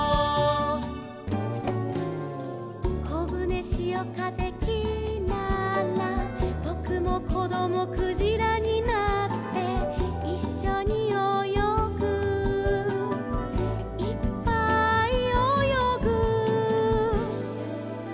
「こぶねしおかぜきらら」「ぼくもこどもクジラになって」「いっしょにおよぐいっぱいおよぐ」